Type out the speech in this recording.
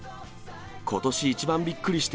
ことし一番びっくりして、